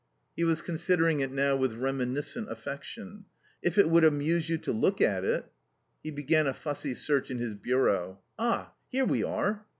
He was considering it now with reminiscent affection.... "If it would amuse you to look at it " He began a fussy search in his bureau. "Ah, here we are!"